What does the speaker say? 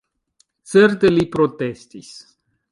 Certe, li protestis.